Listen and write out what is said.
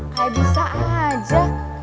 kayak bisa aja